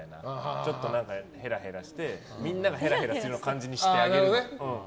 ちょっとへらへらしてみんながへらへらする感じにしてあげる。